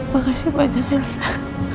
makasih banyak ya mbak